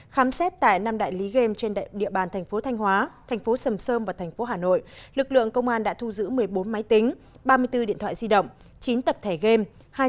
khám xét tại năm đại lý game trên địa bàn tp thanh hóa tp sầm sơm và tp hà nội lực lượng công an đã thu giữ một mươi bốn máy tính ba mươi bốn điện thoại di động chín tập thể game